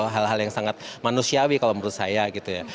hal hal yang sangat manusiawi kalau menurut saya gitu ya